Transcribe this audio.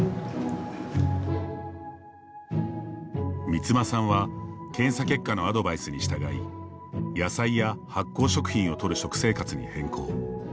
三間さんは検査結果のアドバイスに従い野菜や発酵食品をとる食生活に変更。